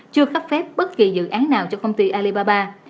chưa cấp phép bất kỳ dự án nào cho công ty alibaba